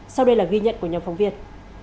sau đây là ghi nhận của nhóm phóng viên